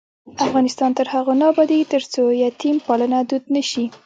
افغانستان تر هغو نه ابادیږي، ترڅو یتیم پالنه دود نشي.